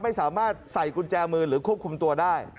ไม่สามารถใส่กุญแจมือหรือควบคุมตัวได้